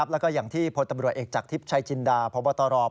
แล้วก็อย่างที่พลตำรวจเอกจากทิพย์ชัยจินดาพบตร